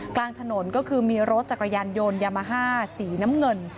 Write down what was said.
กลางถนนก็คือมีรถจักรยานยนต์ยามาฮ่าสีน้ำเงิน